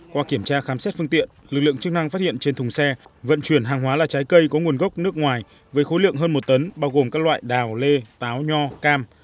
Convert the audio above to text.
qua kiểm tra khám xét phương tiện lực lượng chức năng phát hiện trên thùng xe vận chuyển hàng hóa là trái cây có nguồn gốc nước ngoài với khối lượng hơn một tấn bao gồm các loại đào lê táo nho cam